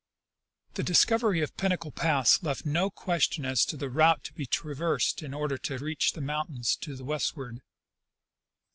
The discovery of Pinnacle pass left no question as to the route to be traversed in order to reach the mountains to the westward.